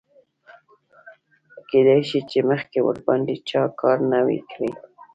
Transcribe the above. کیدای شي چې مخکې ورباندې چا کار نه وي کړی.